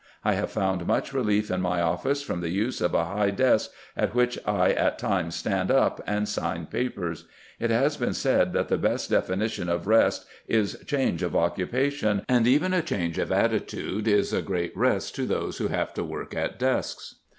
I have found much relief in my office from the use of a high desk, at which I at times stand up and sign papers. It has been said that the best definition of rest is change of occupation, and even a change of attitude is a great rest to those who have to work at desks."